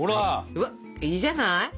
うわっいいじゃない？